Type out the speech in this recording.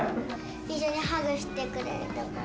一緒にハグしてくれるところ。